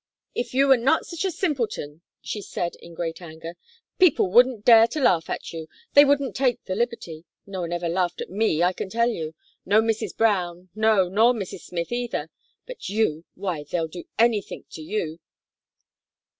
"If you were not sich a simpleton," she said, in great anger, "people wouldn't dare to laugh at you. They wouldn't take the liberty. No one ever laughed at me, I can tell you. No Mrs. Brown; no, nor no Mrs. Smith either. But you! why, they'll do anythink to you."